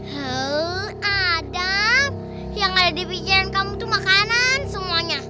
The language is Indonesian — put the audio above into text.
heu adam yang ada di pikiran kamu itu makanan semuanya